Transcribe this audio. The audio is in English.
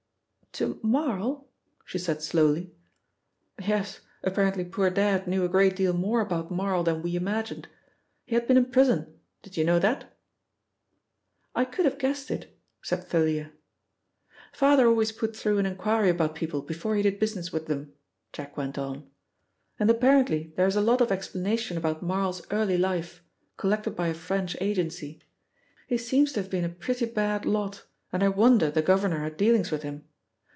"To Marl?" she said slowly. "Yes, apparently poor Dad knew a great deal more about Marl than we imagined. He had been in prison: did you know that?" "I could have guessed it," said Thalia. "Father always put through an inquiry about people before he did business with them," Jack went on, "and apparently there is a lot of explanation about Marl's early life, collected by a French agency. He seems to have been a pretty bad lot, and I wonder the governor had dealings with him.